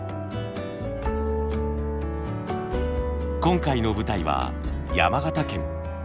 今回の舞台は山形県。